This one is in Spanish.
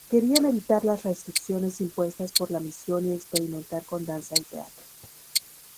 Querían evitar las restricciones impuestas por la misión y experimentar con danza y teatro.